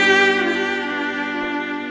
kenapa andin udah tidur sih